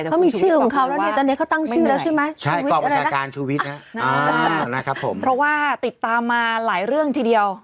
แล้วคุณชวิตจะบอกอะไรว่าไม่เหนื่อยเพราะว่าติดตามมาหลายเรื่องทีเดียว